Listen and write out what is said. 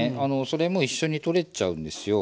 それも一緒に取れちゃうんですよ。